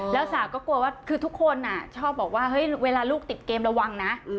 แล้วสาวก็กลัวว่าคือทุกคนชอบบอกว่าเฮ้ยเวลาลูกติดเกมระวังนะ